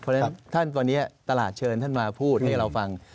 เพราะฉะนั้นท่านตอนนี้ตลาดเชิญท่านมาพูดให้เราฟัง